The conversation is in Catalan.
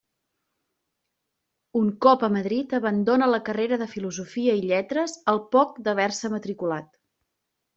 Un cop a Madrid abandona la carrera de Filosofia i Lletres al poc d'haver-se matriculat.